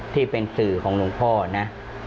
ที่เป็นสื่อของหลวงพ่อนะ